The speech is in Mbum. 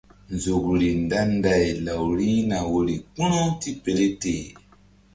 Nzukri nda nday law rihna woyri kpu̧ru tipele teh.